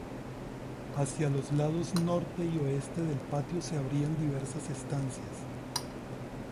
Hacia los lados norte y oeste del patio se abrían diversas estancias.